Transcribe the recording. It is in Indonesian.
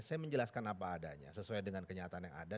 saya menjelaskan apa adanya sesuai dengan kenyataan yang ada